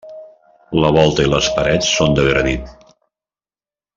La volta i les parets són de granit.